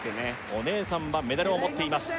お姉さんはメダルを持っています